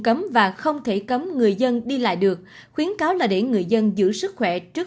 cấm và không thể cấm người dân đi lại được khuyến cáo là để người dân giữ sức khỏe trước